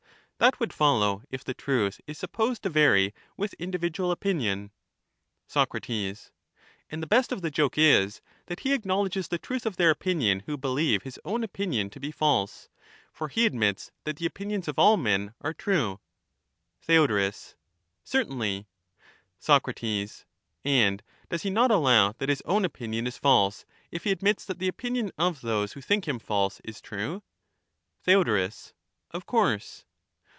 That would follow if the truth is supposed to vary ^^oras. with individual opinion. Soc. And the best of the joke is, that he acknowledges the In any case truth of their opinion who believe his own opinion to be false ; f^!^°^" for he admits that the opinions of all men are true. that their Theod. Certainly. ^fwho^ Soc. And does he not allow that his own opinion is false, declare bis if he admits that the opinion of those who think him false is ^^^^*^' true? Theod. Of course.